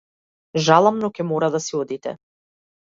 Жалам но ќе мора да си одите.